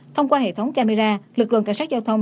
thông qua hệ thống camera lực lượng cảnh sát giao thông